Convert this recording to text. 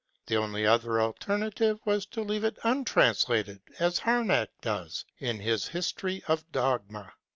The only other alternative was to leave it untranslated, as Harnack does, in his "History of Dogma."